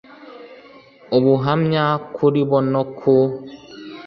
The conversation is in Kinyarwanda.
ubuhamya kuri bo no ku